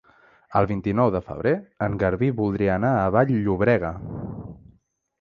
El vint-i-nou de febrer en Garbí voldria anar a Vall-llobrega.